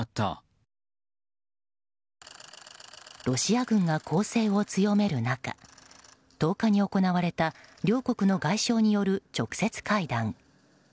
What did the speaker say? ロシア軍が攻勢を強める中１０日に行われた両国の外相による直接会談。